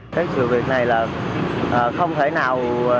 cái sự việc này là không thể nào